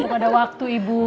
bukan ada waktu ibu